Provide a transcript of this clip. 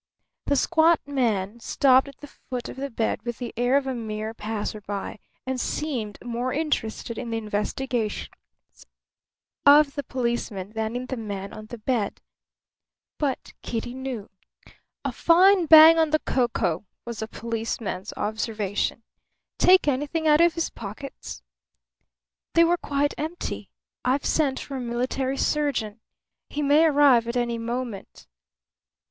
The squat man stopped at the foot of the bed with the air of a mere passer by and seemed more interested in the investigations of the policeman than in the man on the bed. But Kitty knew. "A fine bang on the coco," was the policeman's observation. "Take anything out of his pockets?" "They were quite empty. I've sent for a military surgeon. He may arrive at any moment."